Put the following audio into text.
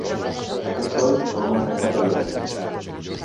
Aquest coll roman tancat a l'hivern.